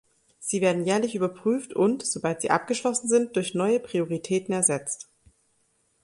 Sie werden jährlich überprüft und, sobald sie abgeschlossen sind, durch neue Prioritäten ersetzt.